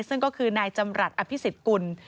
ซึ่งก็คือนายจำรัฐอภิษฎกุล